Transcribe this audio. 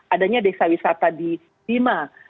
adanya desa wisata di bima